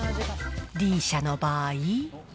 Ｄ社の場合。